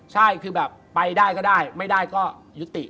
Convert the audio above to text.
ใช่คือแบบไปได้ก็ได้ไม่ได้ก็ยุติ